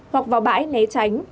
hoặc vào bãi nấy tránh